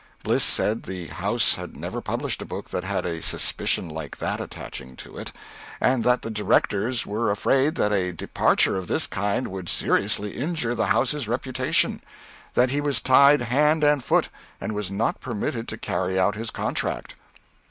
Bliss said the house had never published a book that had a suspicion like that attaching to it, and that the directors were afraid that a departure of this kind would seriously injure the house's reputation; that he was tied hand and foot, and was not permitted to carry out his contract.